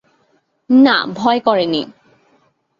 না, ভয় করে নি।